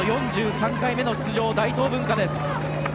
４３回目の出場、大東文化です。